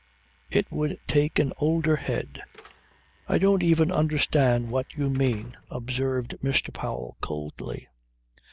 It would take an older head." "I don't even understand what you mean," observed Mr. Powell coldly.